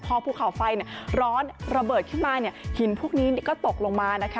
พอภูเขาไฟร้อนระเบิดขึ้นมาเนี่ยหินพวกนี้ก็ตกลงมานะคะ